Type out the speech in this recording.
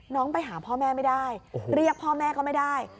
ไปหาพ่อแม่ไม่ได้เรียกพ่อแม่ก็ไม่ได้